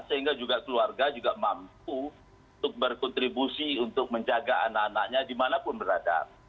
sehingga juga keluarga juga mampu untuk berkontribusi untuk menjaga anak anaknya dimanapun berada